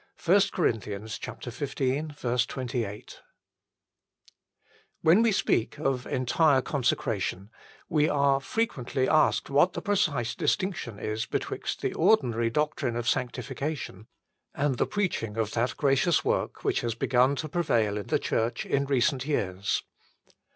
1 COR. xv. 28. TTTHEN we speak of entire consecration, we are frequently asked what the precise distinction is betwixt the ordinary doctrine of sanctification, and the preaching of that gracious work which has begun to prevail in the Church in recent years.